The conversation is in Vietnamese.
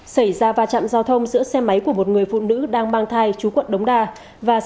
xảy ra va chạm giao thông giữa xe máy của một người phụ nữ đang mang thai chú quận đống đa và